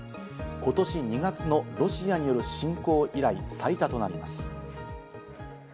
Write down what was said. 今年２月のロシアによる侵攻以来、最多となります。